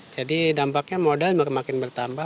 jadi dampaknya modal makin makin bertambah